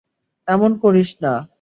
এমন করিস না।